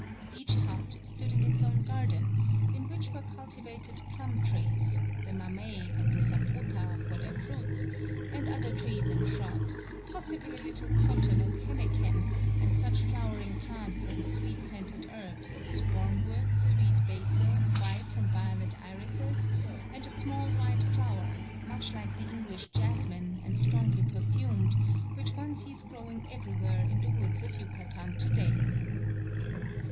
Each hut stood in its own garden, in which were cultivated plum trees, the mamey and the sapota for their fruits, and other trees and shrubs, possibly a little cotton and henequen, and such flowering plants and sweet scented herbs as wormwood, sweet basil, white and violet irises, and a small white flower, much like the English jasmine and strongly perfumed, which one sees growing everywhere in the woods of Yucatan to day.